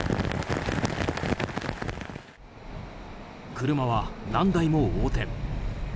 車は何台も横転。